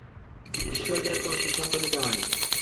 ঈশ্বরদের কোনো সিদ্ধান্ত নিতে হয় না।